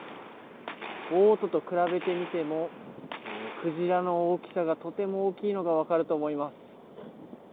ボートと比べてみてもクジラの大きさがとても大きいのが分かると思います。